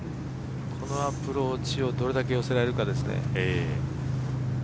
このアプローチをどれだけ寄せられるかですね。